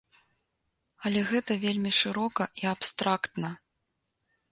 Але гэта вельмі шырока і абстрактна.